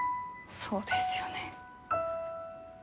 そうなんですよね。